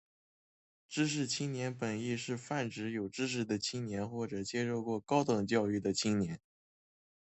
知识青年本义是泛指有知识的青年或者接受过高等教育的青年。